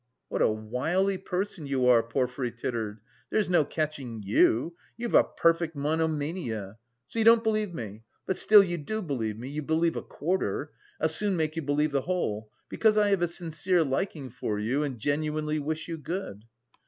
"What a wily person you are!" Porfiry tittered, "there's no catching you; you've a perfect monomania. So you don't believe me? But still you do believe me, you believe a quarter; I'll soon make you believe the whole, because I have a sincere liking for you and genuinely wish you good."